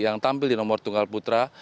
yang tampil di nomor tunggal putra